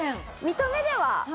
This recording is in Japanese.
見た目では。